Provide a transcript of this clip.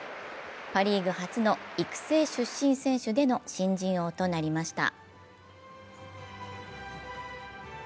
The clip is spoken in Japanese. パ・リーグ初の育成出身選手での新人王となりました。